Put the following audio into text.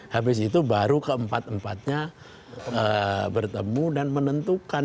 habis itu baru keempat empatnya bertemu dan menentukan